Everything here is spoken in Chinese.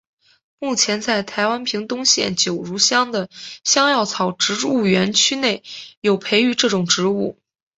目前在台湾屏东县九如乡的香药草植物园区内有培植这种植物。